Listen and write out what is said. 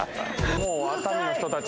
もう熱海の人たち。